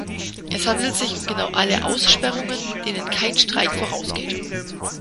Es handelt sich um genau alle Aussperrungen, denen kein Streik vorausgeht.